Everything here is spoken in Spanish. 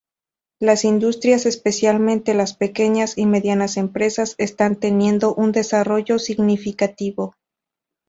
Las industrias, especialmente las pequeñas y medianas empresas, están teniendo un desarrollo significativo.